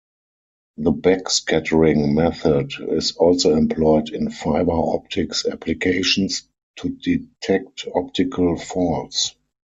The backscattering method is also employed in fiber optics applications to detect optical faults.